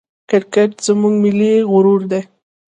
کرکټ زموږ ملي غرور دئ.